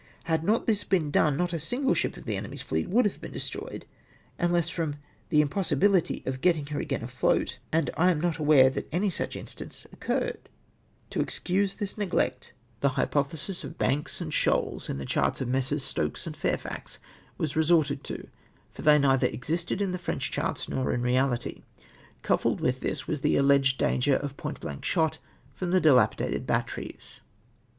Had not this been done, not a single ship of the enemy's fleet would have been destroyed, unless from the im possibility of getting her again afloat, and I am not aware that any such instance occurred. To excuse this neglect, the hypothesis of banks and VOL. II. H 98 ATTEMPT TO LMl'UTE J3J.AME TO ME A.\D CAPT. 8EYM0UK. slioals, ill tlie cliarts of Messrs. Stokes and Fairfax was resorted to, for they neither existed in tlie Frencli charts, nor in reality. CV)iq)led with this was the alleged dang er of point blank shot from the dilapidated batteries